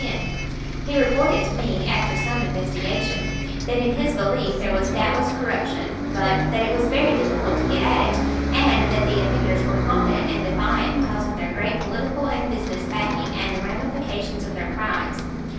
Wynne. He reported to me, after some investigation, that in his belief there was doubtless corruption, but that it was very difficult to get at it, and that the offenders were confident and defiant because of their great political and business backing and the ramifications of their crimes.